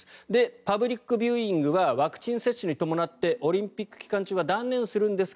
パブリックビューイングはワクチン接種に伴ってオリンピック期間中は断念するんですか？